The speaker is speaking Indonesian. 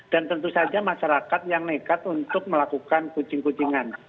dan tentu saja masyarakat yang nekat untuk melakukan kucing kucingan